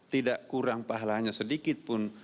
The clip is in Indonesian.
tidak kurang pahalanya sedikit pun